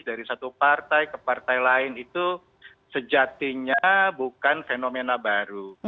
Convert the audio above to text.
dari satu partai ke partai lain itu sejatinya bukan fenomena baru